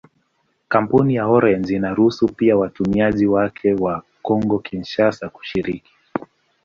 Kampuni ya Orange inaruhusu pia watumiaji wake wa Kongo-Kinshasa kushiriki.